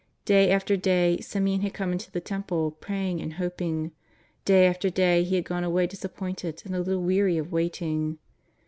Day after day Simeon had come into the Temple praying and hoping; day after day he had gone away disappointed and a little weary of waiting.